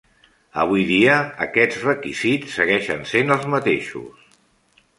Avui dia, aquests requisits segueixen sent els mateixos.